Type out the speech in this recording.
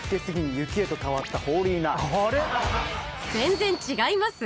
全然違います！